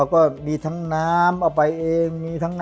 เออนี่แหละ